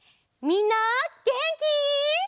みんなげんき？